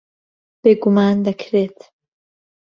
بێگومان دەکرێت.